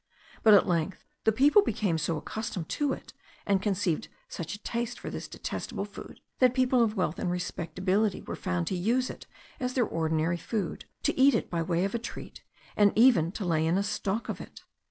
But at length the people became so accustomed to it, and conceived such a taste for this detestable food, that people of wealth and respectability were found to use it as their ordinary food, to eat it by way of a treat, and even to lay in a stock of it.